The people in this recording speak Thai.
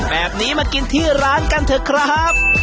แบบนี้มากินที่ร้านกันเถอะครับ